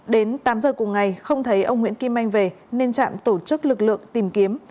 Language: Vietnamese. đến tám giờ cùng ngày không thấy ông nguyễn kim anh về nên trạm tổ chức lực lượng tìm kiếm